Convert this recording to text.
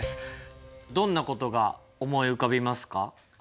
どんなことが思い浮かびますか？